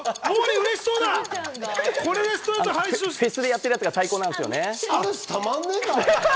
フェスでやってるやつが最高なんですよ。